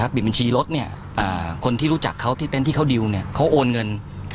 ปิดบัญชีรถคนที่รู้จักเขาที่เต็นต์ที่เขาดิวเขาโอนเงิน